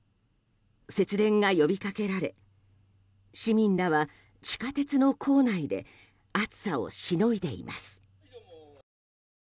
節電が呼びかけられ市民らは地下鉄の構内で暑さをしのいでいます。